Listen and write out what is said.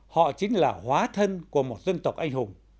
họ chính là hóa thân của một dân tộc anh hùng